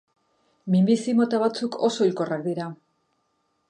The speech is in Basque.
Minbizi mota batzuk oso hilkorrak dira.